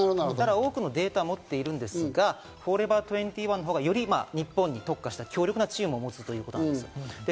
多くのデータを持ってるんですが、ＦＯＲＥＶＥＲ２１のほうがより日本に特化した強力なチームを作るということです。